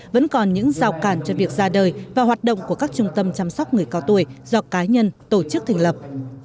vẫn còn những rào cản cho việc ra đời và hoạt động của các trung tâm chăm sóc người cao tuổi do cá nhân tổ chức thành lập